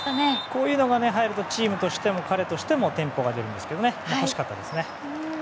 こういうのが早く出るとチームとしても彼としてもテンポが出ますから惜しかったですね。